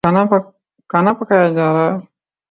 کھانا پکایا جا رہا ہے